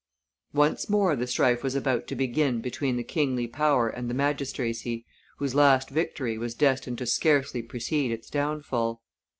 Once more the strife was about to begin between the kingly power and the magistracy, whose last victory was destined to scarcely precede its downfall.